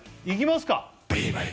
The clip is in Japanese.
いきますか